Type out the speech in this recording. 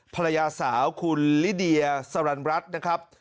ขอขอบคุณลิเดียสรรันรัฐนะครับ